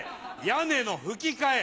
屋根のふき替え